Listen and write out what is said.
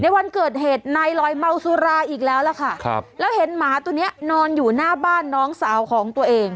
วันเกิดเหตุนายลอยเมาสุราอีกแล้วล่ะค่ะครับแล้วเห็นหมาตัวนี้นอนอยู่หน้าบ้านน้องสาวของตัวเอง